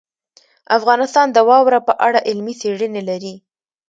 افغانستان د واوره په اړه علمي څېړنې لري.